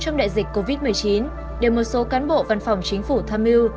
trong đại dịch covid một mươi chín để một số cán bộ văn phòng chính phủ tham mưu